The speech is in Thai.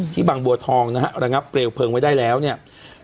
บางบัวทองนะฮะระงับเปลวเพลิงไว้ได้แล้วเนี่ย